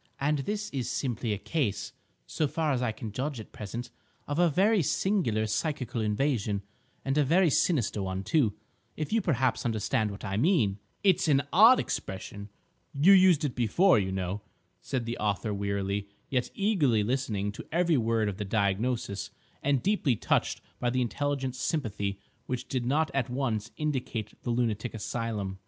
"—and this is simply a case, so far as I can judge at present, of a very singular psychical invasion, and a very sinister one, too, if you perhaps understand what I mean—" "It's an odd expression; you used it before, you know," said the author wearily, yet eagerly listening to every word of the diagnosis, and deeply touched by the intelligent sympathy which did not at once indicate the lunatic asylum.